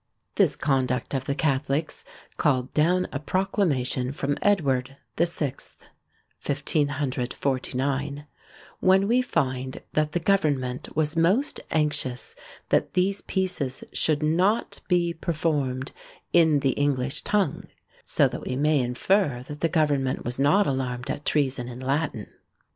This conduct of the Catholics called down a proclamation from Edward the Sixth, (1549,) when we find that the government was most anxious that these pieces should not be performed in "the English tongue;" so that we may infer that the government was not alarmed at treason in Latin.